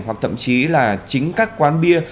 hoặc thậm chí là chính các quán bia